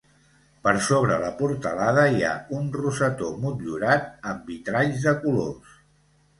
Per sobre la portalada hi ha un rosetó motllurat amb vitralls de colors.